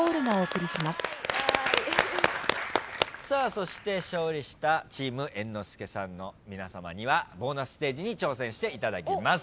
そして勝利したチーム猿之助さんの皆さまにはボーナスステージに挑戦していただきます。